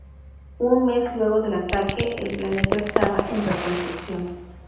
Un mes luego del ataque, el planeta estaba en reconstrucción.